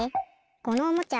このおもちゃ